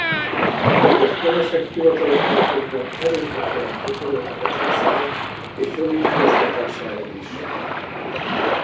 Egyes comesek hivataloknál fogva erős befolyást gyakoroltak a császárra és jogi igazgatására is.